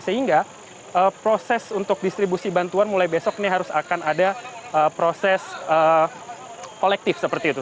sehingga proses untuk distribusi bantuan mulai besok ini harus akan ada proses kolektif seperti itu